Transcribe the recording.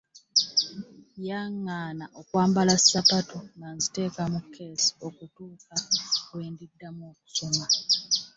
Yangaana okwambala ssapatu nga nziteeka mu keesi okutuuka lwe ndiddamu okusoma.